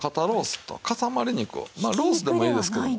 まあロースでもいいですけども。